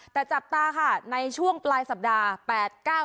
แต่จับตาค่ะในช่วงปลายสัปดาห์